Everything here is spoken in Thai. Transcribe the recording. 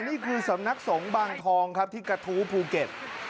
นี่คือสำนักสงฆ์บางทองครับที่กระทู้ภูเก็ต